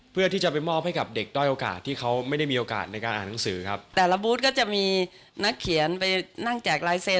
เพื่อที่จะมอบให้เด็กด้วยโอกาสที่เขาไม่ได้มีโอกาส